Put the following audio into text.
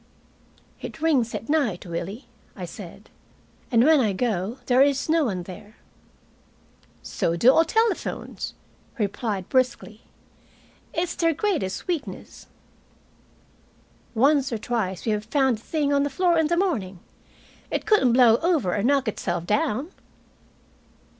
"It rings at night, Willie," I said. "And when I go there is no one there." "So do all telephones," he replied briskly. "It's their greatest weakness." "Once or twice we have found the thing on the floor in the morning. It couldn't blow over or knock itself down."